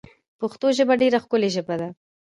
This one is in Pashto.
پشتو ژبه ډېره ښکولي ژبه ده